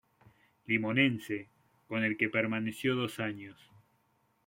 Limonense, con el que permaneció dos años.